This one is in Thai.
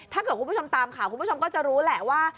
ถ้าเกิดคุณผู้ชมตามข่าวคุณผู้ชมก็จะรู้แหละว่า